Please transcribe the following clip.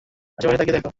আশেপাশে তাকিয়ে দেখো।